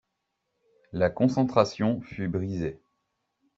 La concentration fut brisée.